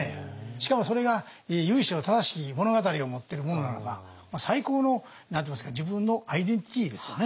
しかもそれが由緒正しき物語を持ってるものならば最高の何て言いますか自分のアイデンティティーですよね。